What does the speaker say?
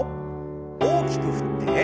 大きく振って。